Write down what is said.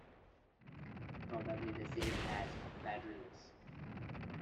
Probably the same as Bardyllis.